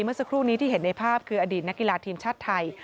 เมื่อสักครู่นี้ที่เห็นในภาพคืออดีตนักกีฬาทีมชาติไทย